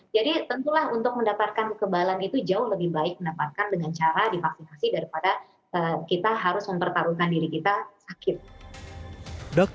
tentulah untuk mendapatkan kekebalan itu jauh lebih baik mendapatkan dengan cara divaksinasi daripada kita harus mempertaruhkan diri kita sakit